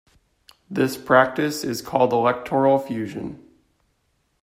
This practice is called electoral fusion.